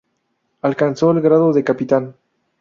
Alcanzó el Grado de Capitán.